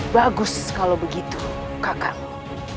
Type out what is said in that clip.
bagus kalau begitu kakakmu